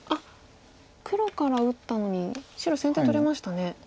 黒から打ったのに白先手取れましたね。